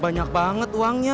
banyak banget uangnya